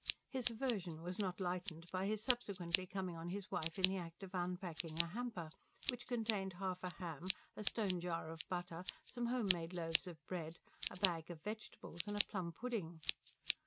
His aversion was not lightened by his subsequently coming on his wife in the act of unpacking a hamper, which contained half a ham, a stone jar of butter, some home made loaves of bread, a bag of vegetables and a plum pudding.